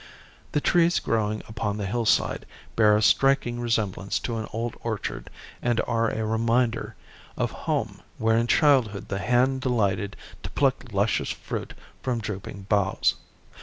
The trees growing upon the hillside bear a striking resemblance to an old orchard and are a reminder of home where in childhood the hand delighted to pluck luscious fruit from drooping boughs.